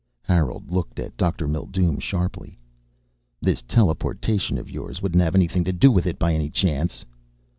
Harold looked at Dr. Mildume sharply. "This teleportation of yours wouldn't have anything to do with it by any chance?"